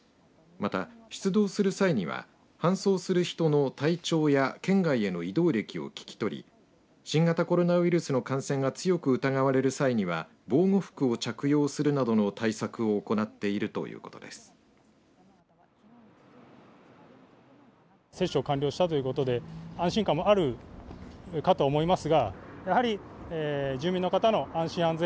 また、出動する際には搬送する人の体調や県外への移動歴を聞き取り新型コロナウイルスの感染が強く疑われる際には防護服を着用するなどの対策を行っているということです。